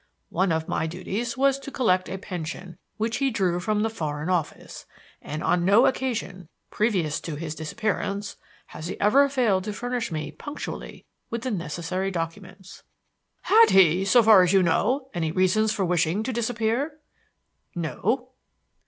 One of my duties was to collect a pension which he drew from the Foreign Office, and on no occasion, previous to his disappearance, has he ever failed to furnish me punctually with the necessary documents." "Had he, so far as you know, any reasons for wishing to disappear?" "No."